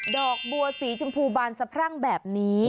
ดอกบัวสีชมพูบานสะพรั่งแบบนี้